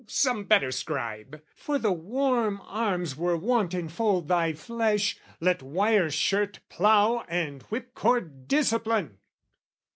some better scribe! "For the warm arms, were wont enfold thy flesh, "Let wire shirt plough and whip cord discipline!"